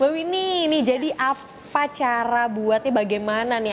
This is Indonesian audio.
mbak winnie ini jadi apa cara buatnya bagaimana nih